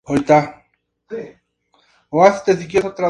El pico es largo y delgado con forma de gancho en la punta.